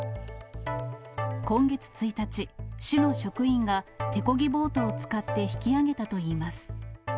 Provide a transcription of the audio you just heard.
今月１日、市の職員が手こぎボートを使って引き上げたといいます。